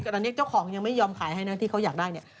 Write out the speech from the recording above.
ตอนนี้เจ้าของยังไม่ยอมขายให้นะที่เขาอยากได้เนี่ย